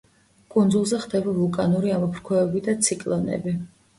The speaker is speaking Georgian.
კუნძულზე ხდება ვულკანური ამოფრქვევები და ციკლონები.